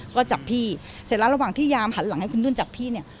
ก็จับพี่เสร็จแล้วระหว่างที่ยามหันหลังให้คุณนุ่นจับพี่เนี่ย